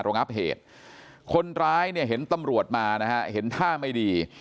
ระงับเหตุคนร้ายเนี่ยเห็นตำรวจมานะฮะเห็นท่าไม่ดี